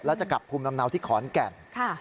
แล้วจะกลับภูมิลำเนาที่ขอนแก่น